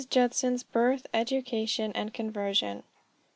JUDSON'S BIRTH, EDUCATION, AND CONVERSION.